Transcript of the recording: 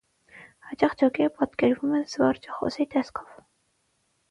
Հաճախ ջոկերը պատկերվում է զվարճախոսի տեսքով։